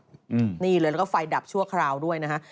อืมนี่เลยแล้วก็ไฟดับชั่วคราวด้วยนะฮะ